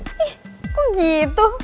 ih kok gitu